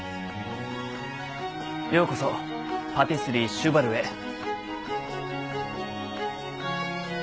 ようこそパティスリー・シュバルへ。